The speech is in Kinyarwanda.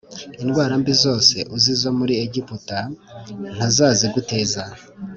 indwara mbi zose uzi zo muri Egiputa ntazaziguteza,